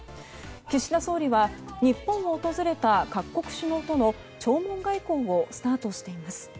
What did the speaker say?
岸田総理は日本を訪れた各国首脳との弔問外交をスタートしています。